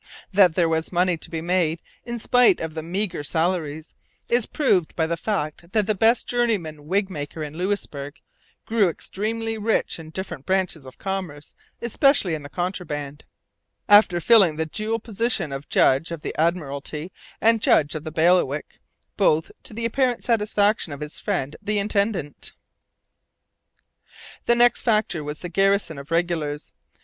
That there was money to be made, in spite of the meagre salaries, is proved by the fact that the best journeyman wig maker in Louisbourg 'grew extremely rich in different branches of commerce, especially in the contraband,' after filling the dual position of judge of the admiralty and judge of the bailiwick, both to the apparent satisfaction of his friend the intendant. The next factor was the garrison of regulars.